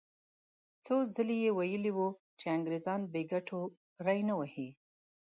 څو ځلې یې ویلي وو چې انګریزان بې ګټو ری نه وهي.